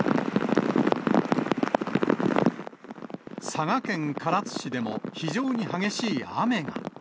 佐賀県唐津市でも、非常に激しい雨が。